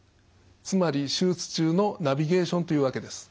つまり手術中のナビゲーションというわけです。